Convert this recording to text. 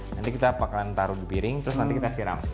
nanti kita akan taruh di piring terus nanti kita siram